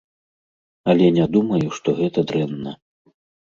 Але не думаю, што гэта дрэнна.